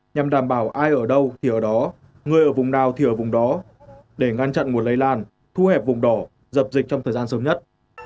nhằm đảm bảo ai ở đâu thì ở đó người ở vùng đào thì ở vùng đó để ngăn chặn nguồn lây lan thu hẹp vùng đỏ dập dịch trong thời gian sớm nhất